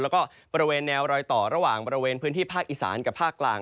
แล้วก็บริเวณแนวรอยต่อระหว่างบริเวณพื้นที่ภาคอีสานกับภาคกลาง